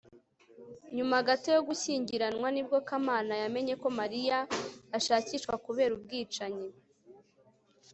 nyuma gato yo gushyingiranwa ni bwo kamana yamenye ko mariya ashakishwa kubera ubwicanyi